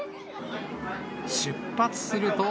出発すると。